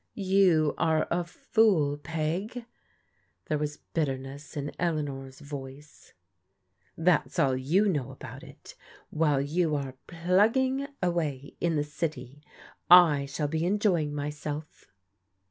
*' You are a fool, Peg." There was bitterness in Elea nor's voice. " That's all you know about it. While you are * plug ging ' away in the city, I shall be enjoying myself."